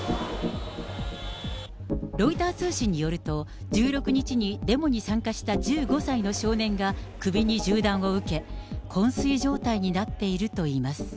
ロイター通信によると、１６日にデモに参加した１５歳の少年が首に銃弾を受け、こん睡状態になっているといいます。